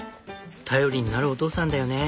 頼りになるお父さんだよね。